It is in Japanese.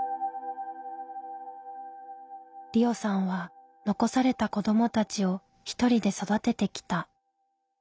りおさんは残された子どもたちを一人で育ててきた。